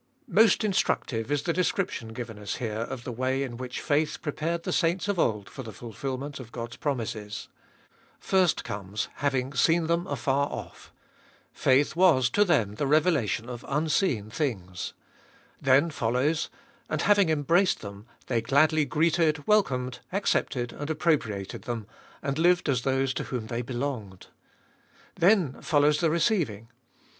MOST instructive is the description given us here of the way in which faith prepared the saints of old for the fulfilment of God's promises. First comes — Having seen them afar off: faith was to them the revelation of unseen things. Then follows — And having embraced them, they gladly greeted, welcomed, ac cepted, and appropriated them, and lived as those to whom they belonged. Then follows the receiving.